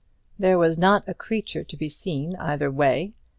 There was not a living creature to be seen either way.